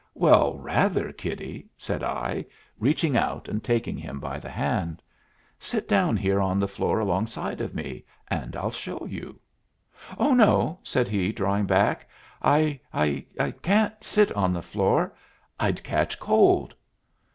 "Well, rather, kiddie," said I, reaching out and taking him by the hand. "Sit down here on the floor alongside of me, and I'll show you." "Oh, no," said he, drawing back; "I I can't sit on the floor. I'd catch cold."